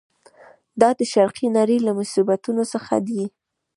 دا د شرقي نړۍ له مصیبتونو څخه دی.